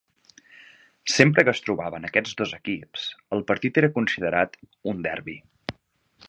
Sempre que es trobaven aquests dos equips, el partit era considerat un derbi.